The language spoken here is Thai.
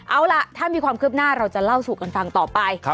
เอาล่ะถ้ามีความคืบหน้าเราจะเล่าสู่กันฟังต่อไป